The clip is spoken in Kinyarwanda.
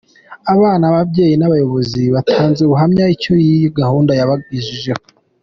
Abana, ababyeyi n'abayobozi batanze ubuhamya icyo iyi gahunda yabagejejeho.